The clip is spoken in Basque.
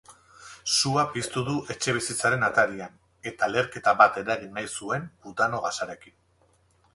Sua piztu du etxebizitzaren atarian eta leherketa bat eragin nahi zuen butano gasarekin.